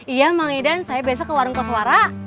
iya mang idan saya besok ke warung koswara